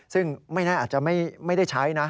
ซึ่งไม่ได้ใช้นะ